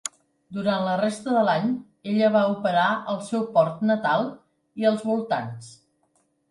Durant la resta de l'any, ella va operar al seu port natal i als voltants.